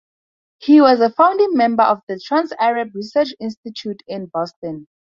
He was a founding member of the Trans-Arab Research Institute in Boston.